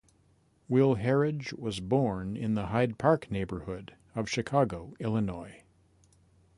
Will Harridge was born in the Hyde Park neighborhood of Chicago, Illinois.